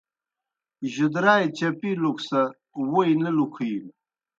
جُدرائے چپِلُک سہ ووئی نہ لِکُھینوْ